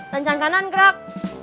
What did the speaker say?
lancan kanan gerak